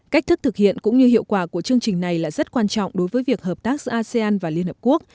cách thức thực hiện cũng như hiệu quả của chương trình này là rất quan trọng đối với việc hợp tác giữa asean và liên hợp quốc